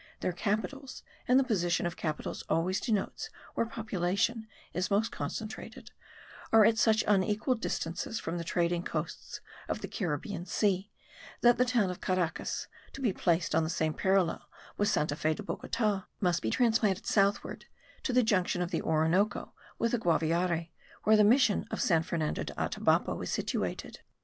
Their capitals (and the position of capitals always denotes where population is most concentrated) are at such unequal distances from the trading coasts of the Caribbean Sea, that the town of Caracas, to be placed on the same parallel with Santa Fe de Bogota, must be transplanted southward to the junction of the Orinoco with the Guaviare, where the mission of San Fernando de Atabapo is situated.